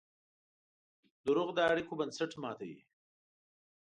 دروغ د اړیکو بنسټ ماتوي.